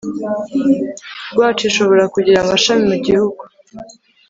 rwasco ishobora kugira amashami mu gihugu